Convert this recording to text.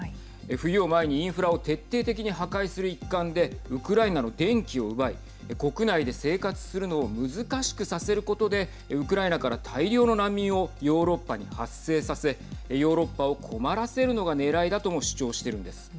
冬を前にインフラを徹底的に破壊する一環でウクライナの電気を奪い国内で生活するのを難しくさせることでウクライナから大量の難民をヨーロッパに発生させヨーロッパを困らせるのがねらいだとも主張しているんです。